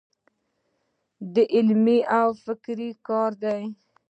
دا علمي او فکري کار دی.